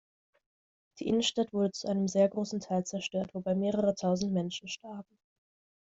Die Innenstadt wurde zu einem sehr großen Teil zerstört, wobei mehrere tausend Menschen starben.